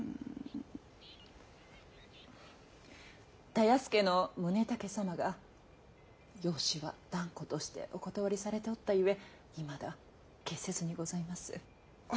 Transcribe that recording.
田安家の宗武様が養子は断固としてお断りされておったゆえいまだ決せずにございます。